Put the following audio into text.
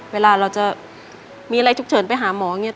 เวลาเราจะมีอะไรฉุกเฉินไปหาหมอเนี่ย